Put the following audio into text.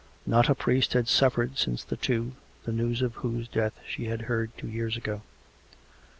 Not a priest had suffered since the two, the news of whose death she had heard two years ago.